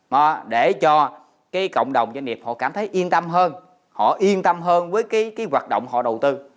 mà để cho cái cộng đồng doanh nghiệp họ cảm thấy yên tâm hơn họ yên tâm hơn với cái hoạt động họ đầu tư